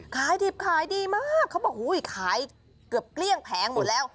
ขายดิบขายดีมากเขาบอกอุ้ยขายเกือบเกลี้ยงแผงหมดแล้ว